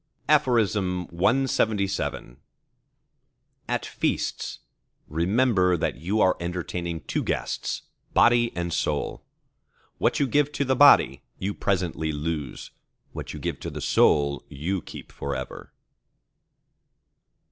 CLXXVIII At feasts, remember that you are entertaining two guests, body and soul. What you give to the body, you presently lose; what you give to the soul, you keep for ever.